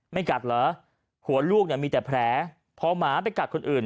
ไม่กัดเหรอหัวลูกมีแต่แพ้พอหมาไปกัดคนอื่น